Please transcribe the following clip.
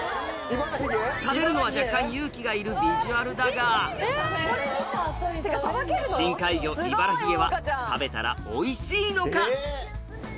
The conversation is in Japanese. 食べるのは若干勇気がいるビジュアルだが深海魚イバラヒゲは食べたらおいしいのか？